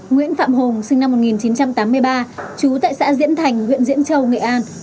nguyễn phạm hùng sinh năm một nghìn chín trăm tám mươi ba trú tại xã diễn thành huyện diễn châu nghệ an